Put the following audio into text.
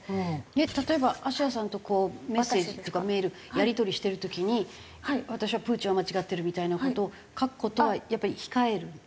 例えばあしやさんとこうメッセージっていうかメールやり取りしてる時に私はプーチンは間違ってるみたいな事を書く事はやっぱり控えるの？